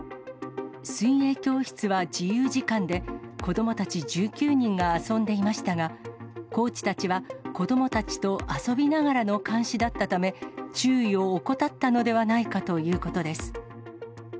水泳教室は自由時間で、子どもたち１９人が遊んでいましたが、コーチたちは、子どもたちと遊びながらの監視だったため、注意を怠ったのではないかということです。